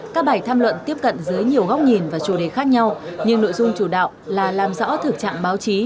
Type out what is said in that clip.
các bài tham luận tiếp cận dưới nhiều góc nhìn và chủ đề khác nhau nhưng nội dung chủ đạo là làm rõ thực trạng báo chí